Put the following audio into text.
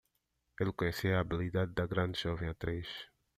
Ele conhecia a habilidade da grande jovem atriz.